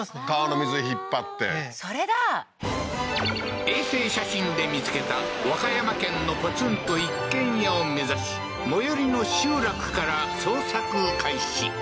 川の水引っ張ってそれだ衛星写真で見つけた和歌山県のポツンと一軒家を目指し最寄りの集落から捜索開始